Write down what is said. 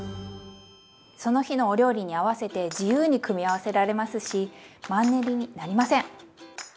その日のお料理に合わせて自由に組み合わせられますしマンネリになりません！